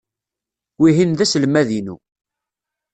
Wihin d aselmad-inu.